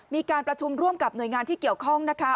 มีการประชุมร่วมกับหน่วยงานที่เกี่ยวข้องนะคะ